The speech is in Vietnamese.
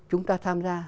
chúng ta tham gia